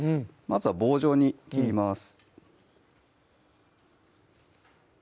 まずは棒状に切ります